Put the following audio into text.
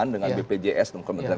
sembilan dengan bpjs dan komite